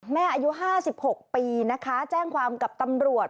แม่อายุห้าสิบหกปีนะคะแจ้งความกับตำรวจ